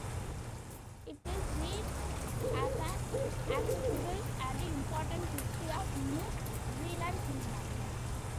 It is seen as an accessible and important history of New Zealand cinema.